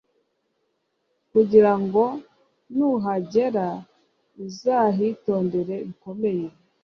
kugira ngo nuhagera uzahitondere bikomeye